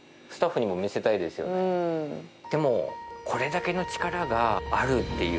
任これだけの力があるっていう。